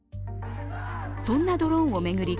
そんなドローンを巡り